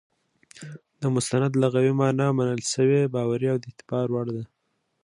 د مستند لغوي مانا منل سوى، باوري، او د اعتبار وړ ده.